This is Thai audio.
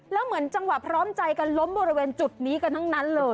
แล้วเหมือนจังหวะพร้อมใจกันล้มบริเวณจุดนี้กันทั้งนั้นเลย